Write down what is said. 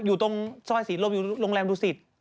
อยู่ตรงซอยสีรมอยู่โรงแรมดูสิทธิ์